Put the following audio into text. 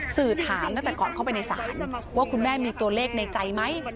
สื่อถามตั้งแต่ก่อนเข้าไปในศาลว่าคุณแม่มีตัวเลขในใจไหม